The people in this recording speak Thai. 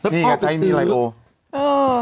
นี่ไงไทยมีไลโกรธ